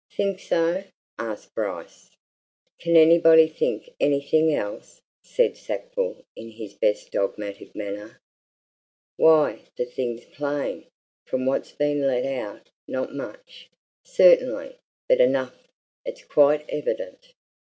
"Think so?" asked Bryce. "Can anybody think anything else?" said Sackville in his best dogmatic manner. "Why, the thing's plain. From what's been let out not much, certainly, but enough it's quite evident."